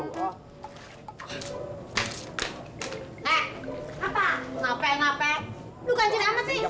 nek apa ngapain ngapain lu ganjil apa sih